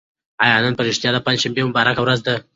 آیا نن په رښتیا د پنجشنبې مبارکه ورځ ده؟